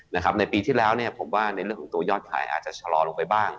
ในปีที่แล้วเนี่ยผมว่าในเรื่องของตัวยอดขายอาจจะชะลอลงไปบ้าง